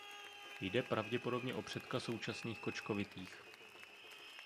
Jde pravděpodobně o předka současných kočkovitých.